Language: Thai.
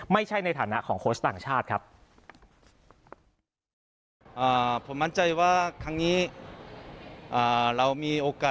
ไม่ใช่ในฐานะของโคสต่างชาติครับ